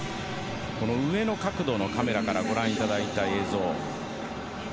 この上の角度のカメラからご覧いただいた映像。